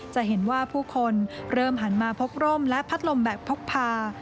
จะเห็นว่าผู้คนเริ่มหันมาพกร่มและพัดลมแบบพกพา